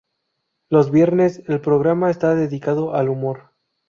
Los viernes, el programa está dedicado al humor.